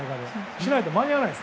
出ないと間に合わない。